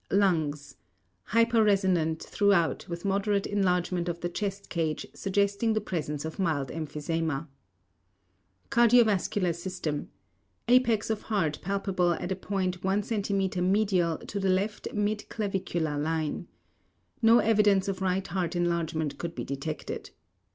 LUNGS: Hyper resonant throughout with moderate enlargement of the chest cage suggesting the presence of mild emphysema. CARDIOVASCULAR SYSTEM: Apex of heart palpable at a point 1 cm medial to the left mid clavicular line. No evidence of right heart enlargement could be detected.